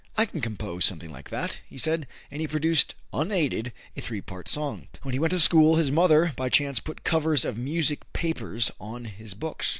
"I can compose something like that," he said, and he produced unaided a three part song. When he went to school, his mother by chance put covers of music paper on his books.